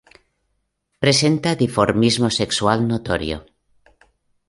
Presenta dimorfismo sexual notorio.